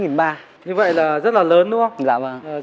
như vậy là rất là lớn đúng không